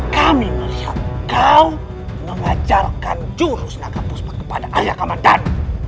kami melihat kau mengajarkan jurus naga puspa kepada alia kamadhan